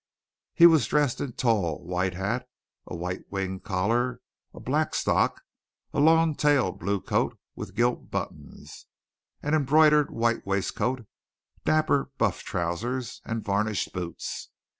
He was dressed in tall white hat, a white winged collar, a black stock, a long tailed blue coat with gilt buttons, an embroidered white waistcoat, dapper buff trousers, and varnished boots.